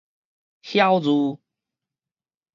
曉諭